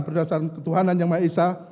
berdasarkan ketuhanan yang maesah